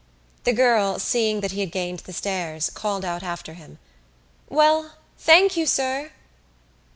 The girl, seeing that he had gained the stairs, called out after him: "Well, thank you, sir."